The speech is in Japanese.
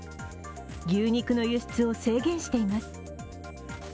牛肉の輸出を制限しています。